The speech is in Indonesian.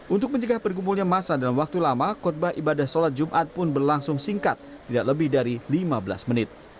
untuk mencegah berkumpulnya masa dalam waktu lama kotbah ibadah sholat jumat pun berlangsung singkat tidak lebih dari lima belas menit